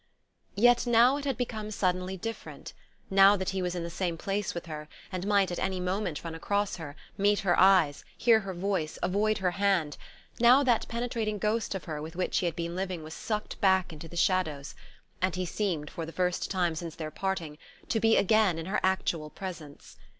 Yet now it had become suddenly different. Now that he was in the same place with her, and might at any moment run across her, meet her eyes, hear her voice, avoid her hand now that penetrating ghost of her with which he had been living was sucked back into the shadows, and he seemed, for the first time since their parting, to be again in her actual presence.